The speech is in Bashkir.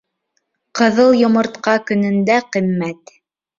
Ҡыҙыл йомортҡа көнөндә ҡиммәт.